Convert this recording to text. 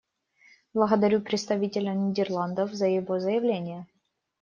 Благодарю представителя Нидерландов за его заявление.